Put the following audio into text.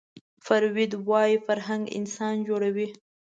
فروید وايي فرهنګ انسان جوړوي